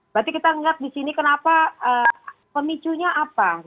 berarti kita lihat disini kenapa pemicunya apa